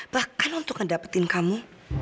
bahkan untuk ngedapetin kamu